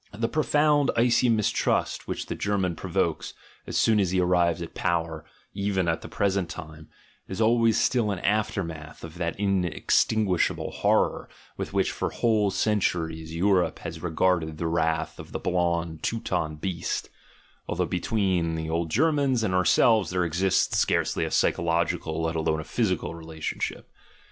The pro found, icy mistrust which the German provokes, as soon as he arrives at power, — even at the present time, — is always still an aftermath of that inextinguishable horror with which for whole centuries Europe has regarded the wrath of the blonde Teuton beast (although between the old Germans and ourselves there exists scarcely a psycho logical, let alone a physical, relationship).